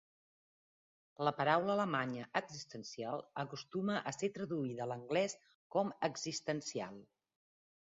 La paraula alemanya "existenziell" acostuma a ser traduïda a l'anglès com "existencial".